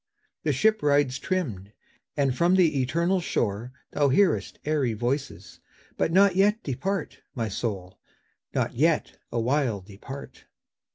The ship rides trimmed, and from the eternal shore Thou hearest airy voices; but not yet Depart, my soul, not yet awhile depart.